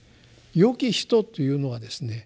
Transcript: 「よき人」というのはですね